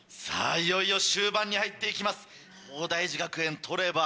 いよいよ終盤に入っていきます。